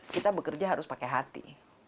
kita bekerja harus pakai hati